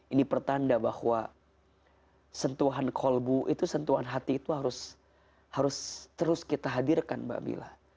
ini pertanda bahwa sentuhan kolbu itu sentuhan hati itu harus terus kita hadirkan mbak mila